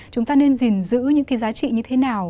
chúng ta nên gìn giữ những cái giá trị như thế nào